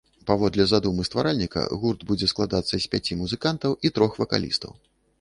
Паводле задумы стваральніка, гурт будзе складацца з пяці музыкантаў і трох вакалістаў.